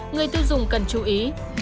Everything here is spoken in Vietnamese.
người tiêu dùng cần chú ý